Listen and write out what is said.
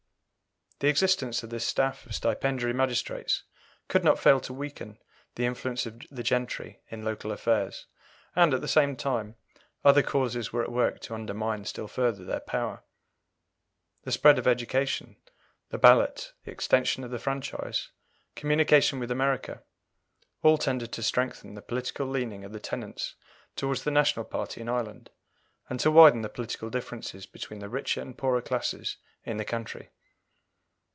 The existence of this staff of stipendiary magistrates could not fail to weaken the influence of the gentry in local affairs, and, at the same time, other causes were at work to undermine still further their power. The spread of education, the ballot, the extension of the franchise, communication with America, all tended to strengthen the political leaning of the tenants towards the National party in Ireland, and to widen the political differences between the richer and poorer classes in the country.